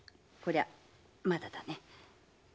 こりゃまだだね。